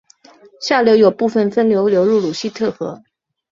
下游有部分分流流入鲁希特河。